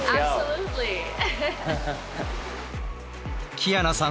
キアナさん